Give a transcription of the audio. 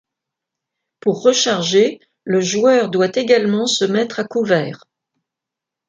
Pour recharger, le joueur doit également se mettre à couvert.